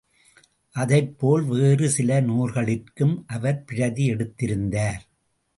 அதைப்போல் வேறு சில நூல்களிற்கும் அவர் பிரதி எடுத்திருந்தார்.